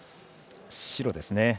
白ですね。